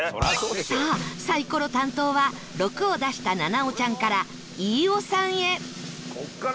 さあサイコロ担当は「６」を出した菜々緒ちゃんから飯尾さんへ